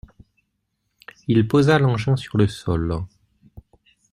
Il posa l’engin sur le sol.